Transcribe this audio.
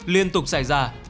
liên tục xảy ra